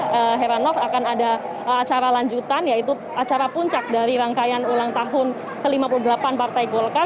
heranov akan ada acara lanjutan yaitu acara puncak dari rangkaian ulang tahun ke lima puluh delapan partai golkar